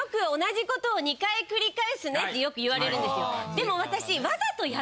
でも私。